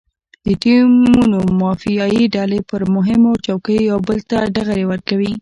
د ټیمونو مافیایي ډلې پر مهمو چوکیو یو بل ته ډغرې ورکوي.